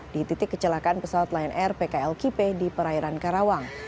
di titik kecelakaan pesawat lion air pkl kipe di perairan karawang